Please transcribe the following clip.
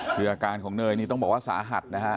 คืออาการของเนยนี่ต้องบอกว่าสาหัสนะฮะ